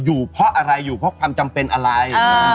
อยู่เพราะอะไรอยู่เพราะความจำเป็นอะไร